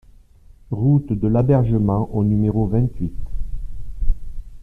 Route de l'Abergement au numéro vingt-huit